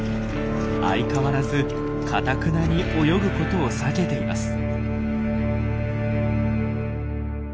相変わらずかたくなに泳ぐことを避けています。